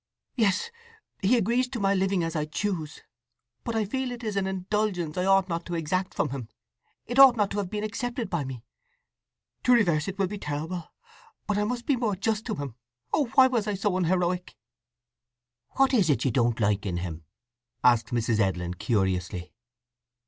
"Yes—he agrees to my living as I choose; but I feel it is an indulgence I ought not to exact from him. It ought not to have been accepted by me. To reverse it will be terrible—but I must be more just to him. O why was I so unheroic!" "What is it you don't like in him?" asked Mrs. Edlin curiously.